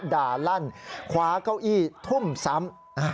ด่าลั่นคว้าเก้าอี้ทุ่มซ้ำ